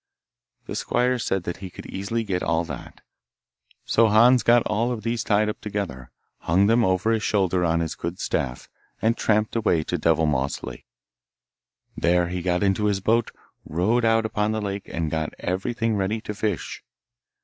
The squire said that he could easily get all that, so Hans got all of these tied up together, hung them over his shoulder on his good staff, and tramped away to Devilmoss Lake. There he got into the boat, rowed out upon the lake, and got everything ready to fish.